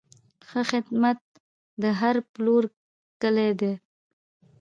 ښه خدمت د هر پلور کلي ده.